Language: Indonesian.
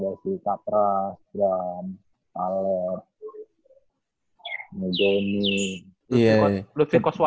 ada si katra sram taler dan juga ada si kakao